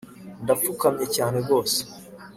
ndapfukamye cyane rwose